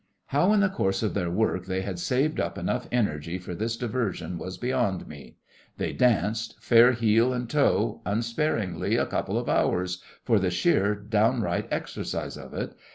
How in the course of their work they had saved up enough energy for this diversion was beyond me. They danced, fair heel and toe, unsparingly a couple of hours, for the sheer, downright exercise of it.